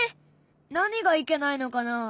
何がいけないのかな？